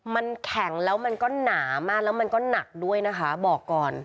มันแข็งแล้วมันก็หนามากแล้วมันก็หนักด้วยนะคะบอกก่อน